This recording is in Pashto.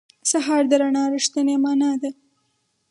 سهار د رڼا رښتینې معنا ده.